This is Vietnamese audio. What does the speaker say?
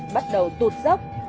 bắt đầu tụt dốc